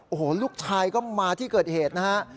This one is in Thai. โอ้โหลูกชายก็มาที่เกิดเหตุนะฮะ